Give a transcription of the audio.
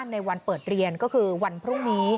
ในวันเปิดเรียนก็คือวันพรุ่งนี้